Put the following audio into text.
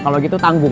kalau gitu tanggung